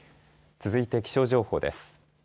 続いて気象情報です。